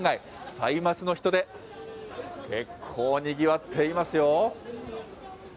歳末の人出、結構にぎわっていますよ。